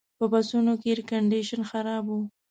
په بسونو کې ایرکنډیشن خراب و.